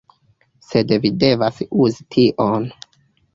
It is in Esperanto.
Sed vi devas uzi tion